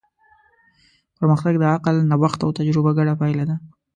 پرمختګ د عقل، نوښت او تجربه ګډه پایله ده.